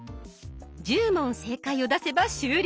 １０問正解を出せば終了。